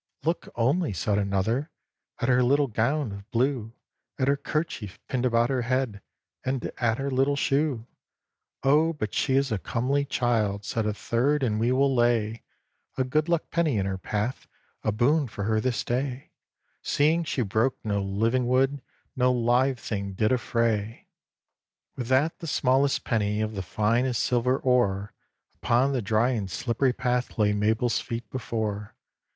"Look only," said another, "At her little gown of blue, At her kerchief pinned about her head, And at her little shoe!" "Oh! but she is a comely child," Said a third; "and we will lay A good luck penny in her path, A boon for her this day, Seeing she broke no living wood, No live thing did affray!" With that the smallest penny, Of the finest silver ore, Upon the dry and slippery path, Lay Mabel's feet before.